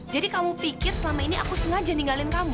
jadi kamu pikir selama ini aku sengaja ninggalin kamu